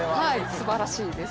素晴らしいです。